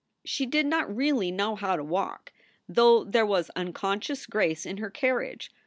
She did not really know how to walk, though there was unconscious grace in her carriage.